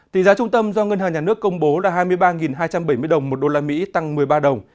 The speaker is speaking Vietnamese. tỷ giá trung tâm do ngân hàng nhà nước công bố là hai mươi ba hai trăm bảy mươi đồng một đô la mỹ tăng một mươi ba đồng